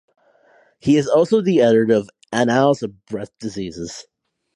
He is also the Editor of Annals of Breast Diseases.